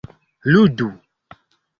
ludu